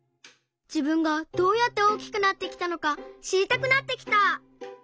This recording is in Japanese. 自分がどうやって大きくなってきたのかしりたくなってきた！